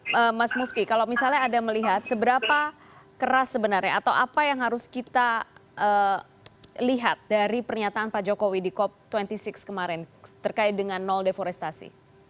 oke mas mufti kalau misalnya anda melihat seberapa keras sebenarnya atau apa yang harus kita lihat dari pernyataan pak jokowi di cop dua puluh enam kemarin terkait dengan nol deforestasi